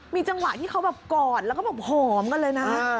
มีจังหวะที่เขาแบบกอดแล้วก็แบบหอมกันเลยนะ